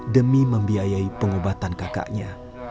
demi membiayai pengobatan kakaknya